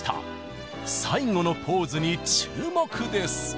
最後のポーズに注目です！